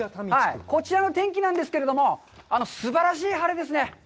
こちらの天気なんですけれども、すばらしい晴れですね。